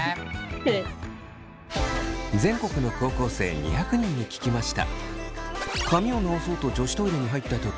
全国の高校生２００人に聞きました。